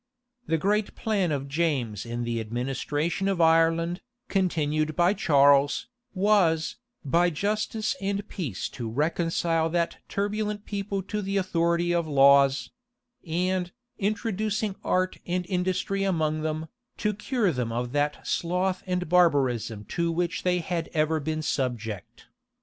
The great plan of James in the administration of Ireland, continued by Charles, was, by justice and peace to reconcile that turbulent people to the authority of laws; and, introducing art and industry among them, to cure them of that sloth and barbarism to which they had ever been subject.